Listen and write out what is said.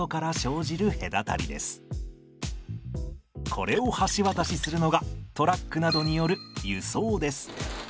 これを橋渡しするのがトラックなどによる輸送です。